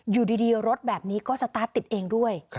อยู่ดีรถแบบนี้ก็สตาร์ทติดเองด้วย